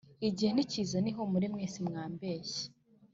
igihe ntikizana ihumure; mwese mwabeshye